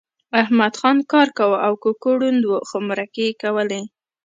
احمدخان کار کاوه او ککو ړوند و خو مرکې یې کولې